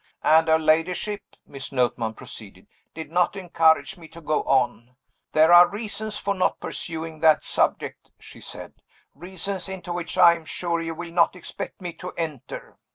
"And her ladyship," Miss Notman proceeded, "did not encourage me to go on. 'There are reasons for not pursuing that subject,' she said; 'reasons into which, I am sure, you will not expect me to enter.